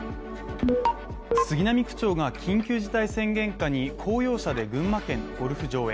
杉並区長が緊急事態宣言下に公用車で群馬県のゴルフ場へ。